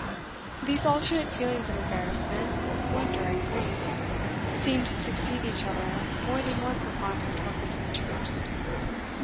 These alternate feelings of embarrassment, wonder, and grief, seemed to succeed each other more than once upon her torpid features.